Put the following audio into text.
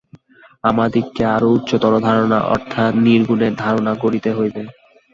আমাদিগকে আরও উচ্চতর ধারণা অর্থাৎ নির্গুণের ধারণা করিতে হইবে।